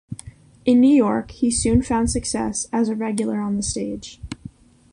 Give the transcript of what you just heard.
In New York he soon found success as a regular on the stage.